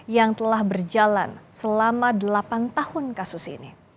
yang telah berjalan selama delapan tahun kasus ini